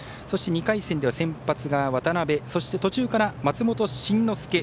そして、２回戦では先発が渡邊そして、途中から松本慎之介